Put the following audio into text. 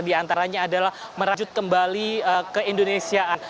diantaranya adalah merajut kembali ke indonesiaan